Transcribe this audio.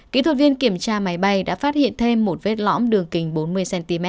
kỹ thuật viên kiểm tra máy bay đã phát hiện thêm một vết lõm đường kinh bốn mươi cm